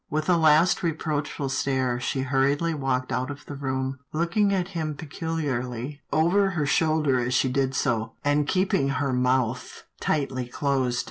With a last reproachful stare, she hurriedly walked out of the room, looking at him peculiarly over her shoulder as she did so, and keeping her mouth tightly closed.